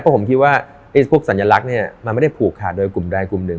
เพราะผมคิดว่าไอ้พวกสัญลักษณ์เนี่ยมันไม่ได้ผูกขาดโดยกลุ่มใดกลุ่มหนึ่ง